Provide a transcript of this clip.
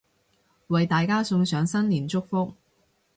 為大家送上新年祝福